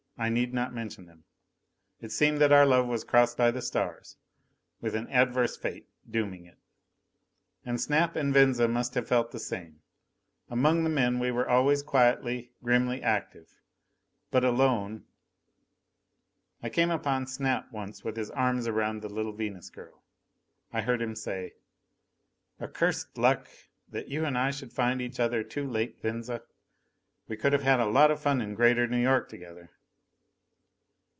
I need not mention them. It seemed that our love was crossed by the stars, with an adverse fate dooming it. And Snap and Venza must have felt the same. Among the men, we were always quietly, grimly active. But alone.... I came upon Snap once with his arms around the little Venus girl. I heard him say: "Accursed luck! That you and I should find each other too late, Venza. We could have a lot of fun in Greater New York together."